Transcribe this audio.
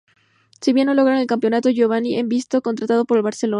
Si bien no logran el campeonato, Giovanni es visto y contratado por el Barcelona.